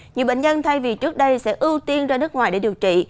nhiều bệnh nhân thay vì trước đây sẽ ưu tiên ra nước ngoài để điều trị